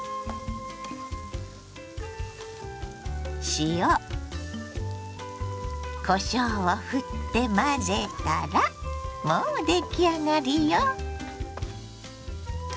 塩こしょうをふって混ぜたらもう出来上がりよ。